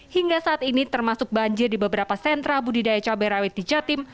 hingga saat ini termasuk banjir di beberapa sentra budidaya cabai rawit di jatim